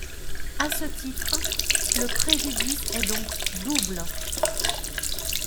À ce titre, le préjudice est donc double.